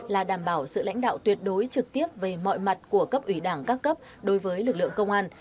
là đảm bảo sự lãnh đạo tuyệt đối trực tiếp về mọi mặt của cấp ủy đảng các cấp đối với lực lượng công an